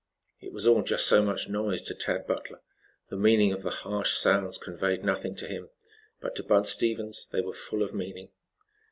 It was all just so much noise to Tad Butler. The meaning of the harsh sounds conveyed nothing to him, but to Bud Stevens they were full of meaning.